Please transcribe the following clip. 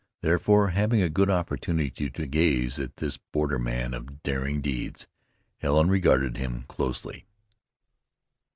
Therefore, having a good opportunity to gaze at this borderman of daring deeds, Helen regarded him closely.